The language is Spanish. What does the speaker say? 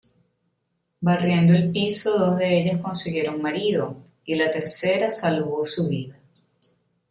Barriendo el piso dos de ellas consiguieron marido, y la tercera salvó su vida.